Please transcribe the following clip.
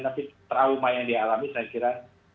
tapi trauma yang dialami saya kira